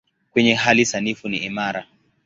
Kwenye hali sanifu ni imara.